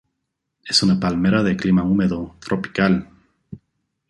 Es una palmera de clima húmedo, tropical.